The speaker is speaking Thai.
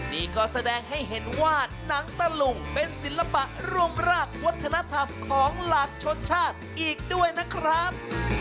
นี่ก็แสดงให้เห็นว่าหนังตะลุงเป็นศิลปะร่วมรากวัฒนธรรมของหลากชนชาติอีกด้วยนะครับ